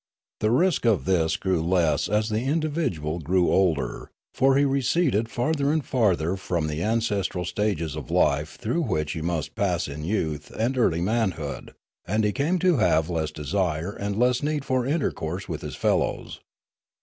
The risk of this grew less as the individual grew older; for he receded farther and farther from the ancestral stages of life through which he must pass in youth and early manhood; and he came to have less desire and less need for intercourse with his fellows.